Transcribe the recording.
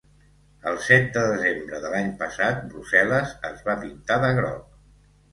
El set de desembre de l’any passat, Brussel·les es va pintar de groc.